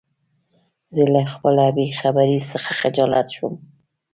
زه له خپله بېخبری څخه خجالت شوم.